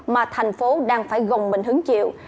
mà thành phố đang phải gồng mình hứng chịu